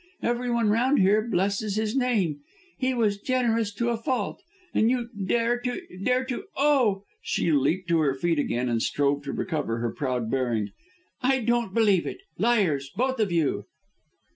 Everyone round here blesses his name; he was generous to a fault. And you dare to dare to oh!" She leaped to her feet again and strove to recover her proud hearing. "I don't believe it. Liars! both of you."